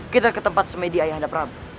kita ke tempat semedia yang ada prabu